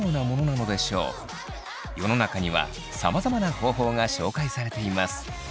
世の中にはさまざまな方法が紹介されています。